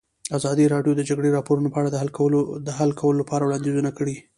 ازادي راډیو د د جګړې راپورونه په اړه د حل کولو لپاره وړاندیزونه کړي.